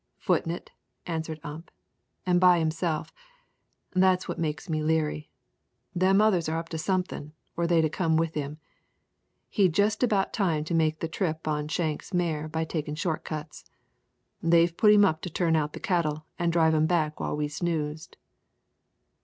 "Footin' it," answered Ump, "an' by himself. That's what makes me leary. Them others are up to somethin' or they'd a come with him. He's had just about time to make the trip on Shank's mare by takin' short cuts. They've put him up to turn out the cattle an' drive 'em back while we snoozed."